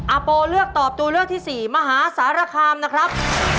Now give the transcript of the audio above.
อาโปเลือกตอบตัวเลือกที่สี่มหาสารคามนะครับ